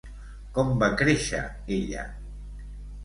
Com va créixer ella?